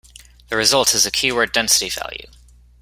The result is a keyword density value.